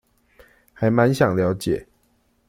還滿想了解